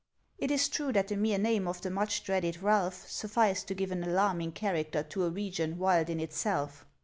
It is true that the mere name of the much dreaded Ralph sufficed to give an alarming character to a region wild in itself.